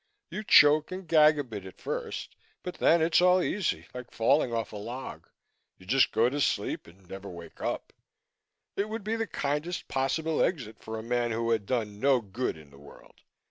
You choke and gag a bit at first but then it's all easy, like falling off a log. You just go to sleep and never wake up. It would be the kindest possible exit for a man who had done no good in the world.